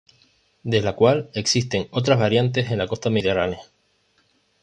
De la cual, existen otras variantes en la costa mediterránea.